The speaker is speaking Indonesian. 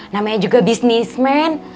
namanya juga bisnismen